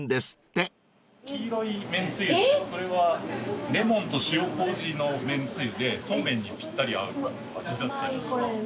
黄色い麺つゆそれはレモンと塩こうじの麺つゆでそうめんにぴったり合う味だったり。